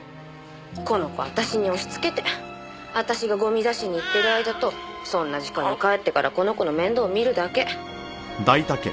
この子私に押しつけて私がゴミ出しに行ってる間とそんな時間に帰ってからこの子の面倒見るだけ。